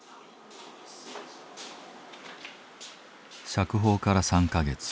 釈放から３か月。